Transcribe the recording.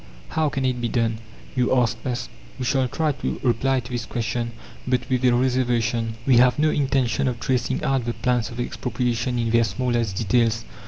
How can it be done?" you ask us. We shall try to reply to this question, but with a reservation. We have no intention of tracing out the plans of expropriation in their smallest details.